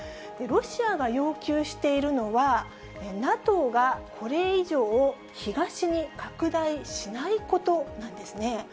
ロシアが要求しているのは、ＮＡＴＯがこれ以上、東に拡大しないことなんですね。